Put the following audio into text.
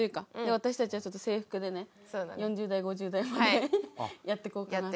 私たちは制服で４０代５０代までやっていこうかなって。